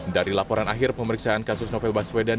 dari laporan akhir pemeriksaan kasus novel baswedan